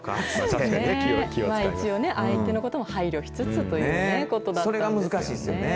一応、相手のことも配慮しつつということですかね。